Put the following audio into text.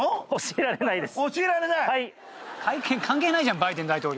関係ないじゃんバイデン大統領。